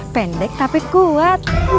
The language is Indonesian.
pendek tapi kuat